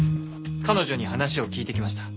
彼女に話を聞いてきました。